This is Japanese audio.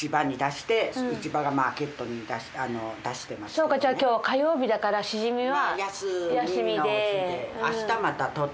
そうかじゃあ今日火曜日だからシジミは。